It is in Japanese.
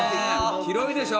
広いでしょ？